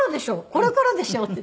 これからでしょ」って。